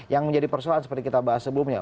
yang menjadi persoalan seperti kita bahas sebelumnya